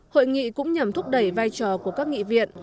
hội nghị cũng nhằm thúc đẩy vai trò của các nghị viện